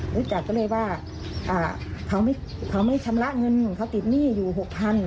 รู้จักก็เลยว่าเขาไม่ชำระเงินเขาติดหนี้อยู่๖๐๐